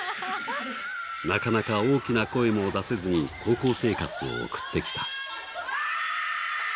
なかなか大きな声も出せずに高校生活を送ってきた。